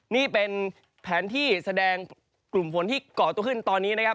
นี่เป็นแผนที่แสดงกลุ่มฝนที่เกาะตัวขึ้นตอนนี้นะครับ